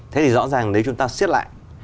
thế thì rõ ràng nếu chúng ta xiết lại